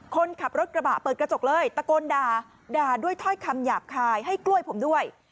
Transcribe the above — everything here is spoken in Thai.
คนขับรถกระบะเปิดกระจกเลยตะโกนด่าด่าด้วยถ้อยคำหยาบคายให้กล้วยผมด้วย